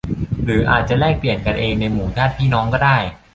หรืออาจจะแลกเปลี่ยนกันเองในหมู่ญาติพี่น้องก็ได้